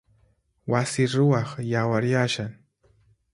Wasi ruwaq yawaryashan.